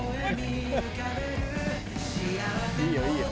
いいよいいよ。